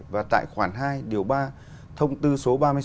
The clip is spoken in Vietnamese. và tại khoản hai điều ba thông tư số ba mươi sáu